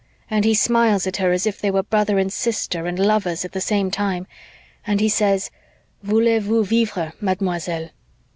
And he smiles at her as if they were brother and sister and lovers at the same time and he says, '_Voulez vous vivre, mademoiselle?